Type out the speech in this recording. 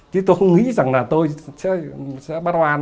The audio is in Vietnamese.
chứ tôi không nghĩ rằng là tôi sẽ bắt hoan